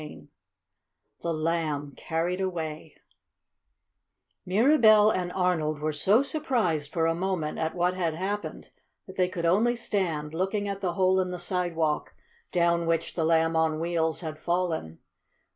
CHAPTER VII THE LAMB CARRIED AWAY Mirabell and Arnold were so surprised for a moment at what had happened that they could only stand, looking at the hole in the sidewalk down which the Lamb on Wheels had fallen.